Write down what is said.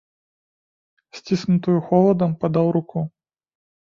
Сціснутую холадам падаў руку.